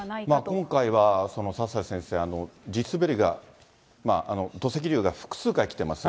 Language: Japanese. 今回は佐々先生、地滑りが、土石流が複数回来てます。